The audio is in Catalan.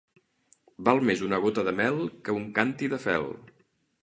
Val més una gota de mel que un càntir de fel.